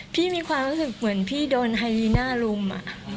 มีความรู้สึกเหมือนพี่โดนไฮยีน่ารุม